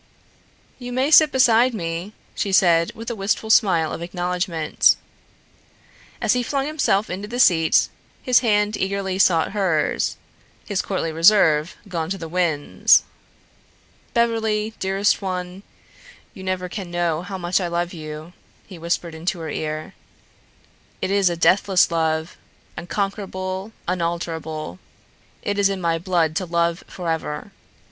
"You may sit beside me," she said with a wistful smile of acknowledgment. As he flung himself into the seat, his hand eagerly sought hers, his courtly reserve gone to the winds. "Beverly, dearest one, you never can know how much I love you," he whispered into her ear. "It is a deathless love, unconquerable, unalterable. It is in my blood to love forever.